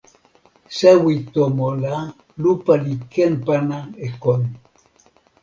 sewi tomo la, lupa li ken pana e kon.